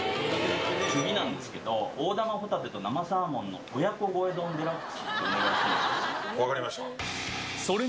次なんですけど、大玉ホタテと生サーモンの親子越え丼デラックスってお願いしてい分かりました。